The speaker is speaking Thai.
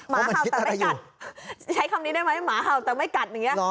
หมาเห่าแต่ไม่กัดใช้คำนี้ได้ไหมหมาเห่าแต่ไม่กัดอย่างนี้